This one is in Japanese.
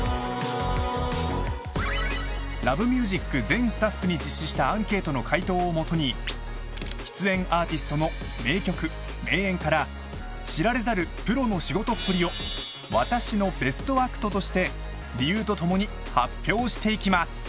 全スタッフに実施したアンケートの回答を基に出演アーティストの名曲名演から知られざるプロの仕事っぷりを「私のベストアクト！」として理由とともに発表していきます］